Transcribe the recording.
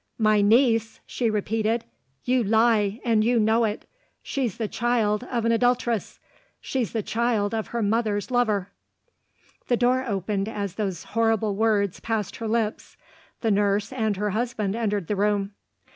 "My niece?" she repeated. "You lie and you know it! She's the child of an adulteress! She's the child of her mother's lover!" The door opened as those horrible words passed her lips. The nurse and her husband entered the room.